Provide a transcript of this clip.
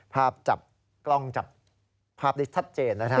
ภาพจับกล้องจับภาพได้ทัดเจนนะครับ